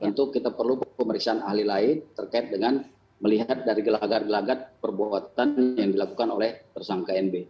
tentu kita perlu pemeriksaan ahli lain terkait dengan melihat dari gelagat gelagat perbuatan yang dilakukan oleh tersangka nb